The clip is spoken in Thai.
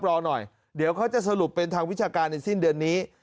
รอหน่อยเดี๋ยวเขาจะสรุปเป็นทางวิชาการในสิ้นเดือนนี้